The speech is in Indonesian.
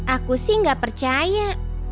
aku sih nggak percaya